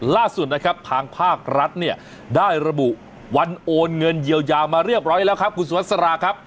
ล่าสุดนะครับทางภาครัฐเนี่ยได้ระบุวันโอนเงินเยียวยามาเรียบร้อยแล้วครับคุณสุวัสราครับ